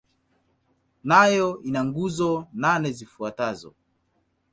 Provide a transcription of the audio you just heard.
Nayo ina nguzo nane zifuatazo.